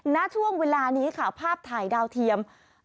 ณช่วงเวลานี้ค่ะภาพถ่ายดาวเทียม